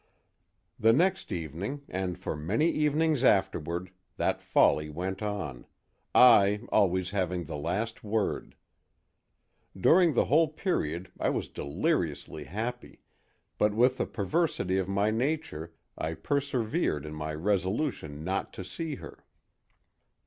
"The next evening, and for many evenings afterward, that folly went on, I always having 'the last word.' During the whole period I was deliriously happy, but with the perversity of my nature I persevered in my resolution not to see her.